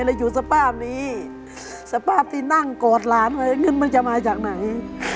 เราอยู่สภาพนี้สภาพที่นั่งโกรธหลานไว้เงินมันจะมาจากไหน